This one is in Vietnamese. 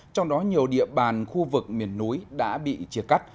trong đó nhiều địa bàn khu vực miền núi đã bị chia cắt